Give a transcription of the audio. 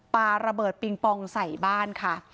ปลาระเบิดปิงปองใส่บ้านค่ะ